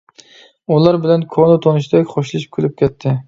ئۇلار بىلەن كونا تونۇشتەك خوشلىشىپ كۈلۈپ كەتتى.